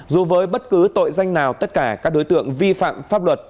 dù với bất cứ tội danh nào tất cả các đối tượng vi phạm pháp luật